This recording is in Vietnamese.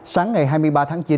sáng ngày hai mươi ba tháng chín